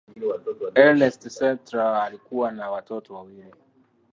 ernest carter alikuwa na watoto wawili